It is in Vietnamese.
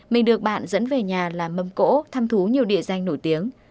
mình được bạn dẫn về nhà làm mâm cỗ thăm thú nhiều địa danh nổi tiếng